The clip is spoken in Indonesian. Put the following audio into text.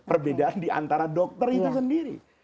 perbedaan diantara dokter itu sendiri